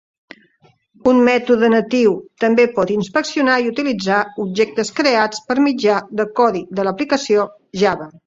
Un mètode natiu també pot inspeccionar i utilitzar objectes creats per mitjà de codi de l'aplicació Java.